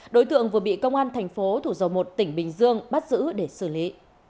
đối tượng vừa bị công an thành phố thủ dầu một tỉnh bình dương bắt giữ để xử lý